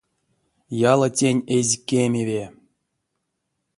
Яла тень эзь кемеве.